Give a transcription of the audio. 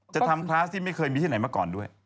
จะทำคลาสที่ไม่เคยมีที่ไหนมาก่อนด้วย